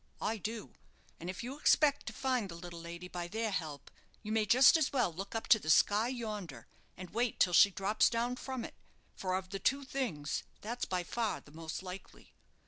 I do; and if you expect to find the little lady by their help, you may just as well look up to the sky yonder, and wait till she drops down from it, for of the two things that's by far the most likely.